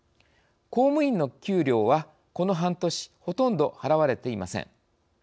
公務員の給料は、この半年ほとんど払われていません。